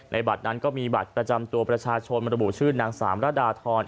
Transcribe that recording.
บัตรนั้นก็มีบัตรประจำตัวประชาชนระบุชื่อนางสามระดาทร